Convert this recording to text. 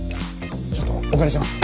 ちょっとお借りします。